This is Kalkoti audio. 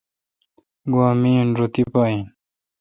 گوا می این رو تی پا این۔